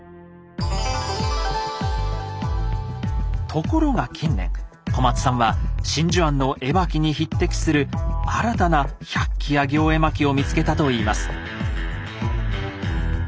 ところが近年小松さんは真珠庵の絵巻に匹敵する新たな「百鬼夜行絵巻」を見つけたと言います。